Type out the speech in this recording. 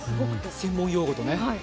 専門用語とね。